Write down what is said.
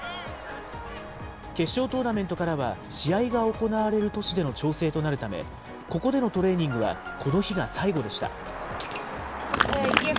決勝トーナメントからは、試合が行われる都市での調整となるため、ここでのトレーニングはこの日が最後でした。